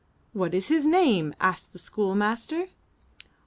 'What is his name?'' asked the schoolmaster.